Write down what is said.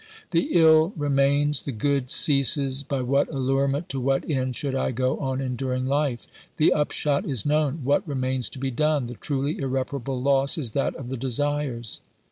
The ill remains, the good ceases ; by what allurement, to what end should I go on enduring life ? The upshot is known ; what remains to be done ? The truly irreparable loss is that of the desires.